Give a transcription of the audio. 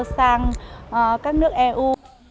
sang các nước eu